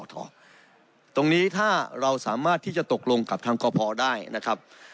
ตรงนี้ถ้าเราสามารถที่จะตกลงกับทางกพได้นะครับ